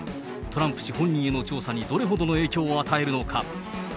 トランプ氏本人への調査にどれほどの影響を与えるのか。